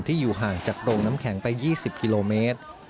อยู่ห่างจากโรงน้ำแข็งไป๒๐กิโลเมตร